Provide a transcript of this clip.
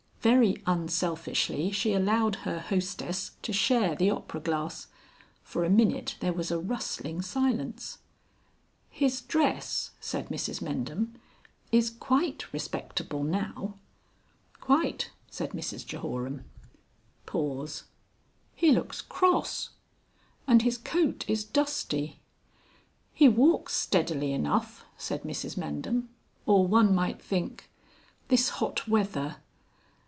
Very unselfishly she allowed her hostess to share the opera glass. For a minute there was a rustling silence. "His dress," said Mrs Mendham, "is quite respectable now." "Quite," said Mrs Jehoram. Pause. "He looks cross!" "And his coat is dusty." "He walks steadily enough," said Mrs Mendham, "or one might think.... This hot weather...."